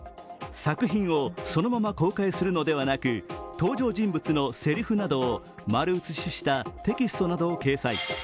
作品をそのまま公開するのではなく登場人物のせりふなどを丸写ししたテキストなどを掲載。